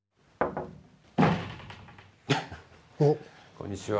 こんにちは。